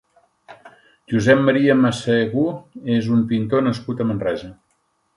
Josep Maria Massegú és un pintor nascut a Manresa.